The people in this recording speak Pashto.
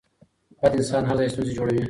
بد انسان هر ځای ستونزي جوړوي